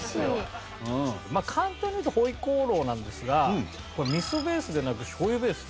まあ簡単にいうと回鍋肉なんですがこれ味噌ベースでなく醤油ベース。